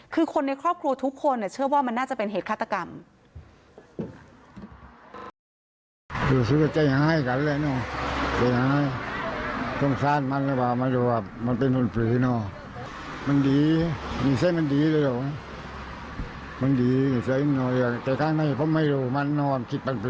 คือคนในครอบครัวทุกคนเชื่อว่ามันน่าจะเป็นเหตุฆาตกรรม